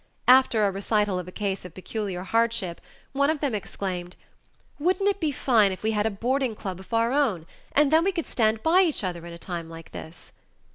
After a recital of a case of peculiar hardship one of them exclaimed: "Wouldn't it be fine if we had a boarding club of our own, and then we could stand by each other in a time like this?"